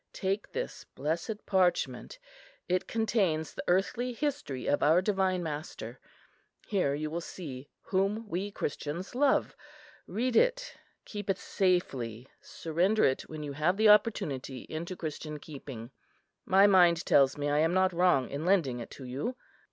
Take this blessed parchment; it contains the earthly history of our Divine Master. Here you will see whom we Christians love. Read it; keep it safely; surrender it, when you have the opportunity, into Christian keeping. My mind tells me I am not wrong in lending it to you."